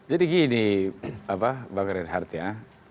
jadi gini bang red heart ya